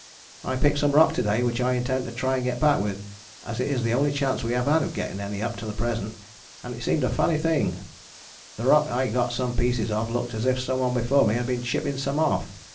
I picked some rock to day which I intend to try and get back with, as it is the only chance we have had of getting any up to the present, and it seemed a funny thing: the rock I got some pieces of looked as if someone before me had been chipping some off.